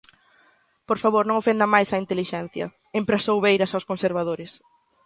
"Por favor, non ofendan máis á intelixencia", emprazou Beiras aos conservadores.